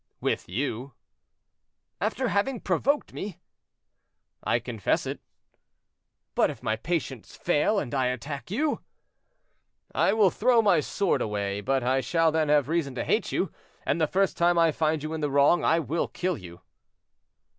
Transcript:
"With you." "After having provoked me?" "I confess it." "But if my patience fail, and I attack you?" "I will throw my sword away; but I shall then have reason to hate you, and the first time I find you in the wrong, I will kill you."